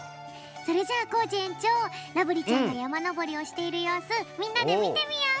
それじゃあコージえんちょうらぶりちゃんがやまのぼりをしているようすみんなでみてみよう。